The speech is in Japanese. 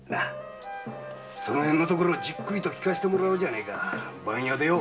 その辺をじっくりと聞かせてもらおうじゃねえか番屋でよ！